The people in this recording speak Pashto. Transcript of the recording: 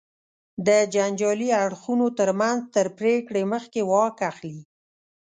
د جنجالي اړخونو تر منځ تر پرېکړې مخکې واک اخلي.